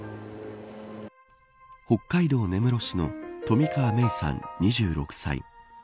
北海道根室市の冨川芽生さん、２６歳。